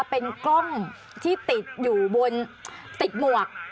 เป็นกล้องที่ติดอยู่บนติดหมวก